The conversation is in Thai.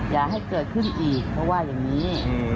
อย่าให้เกิดขึ้นอีกเพราะว่าอย่างนี้